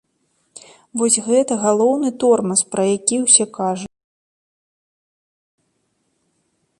Вось гэта галоўны тормаз, пра які ўсе кажуць.